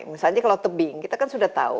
misalnya kalau tebing kita kan sudah tahu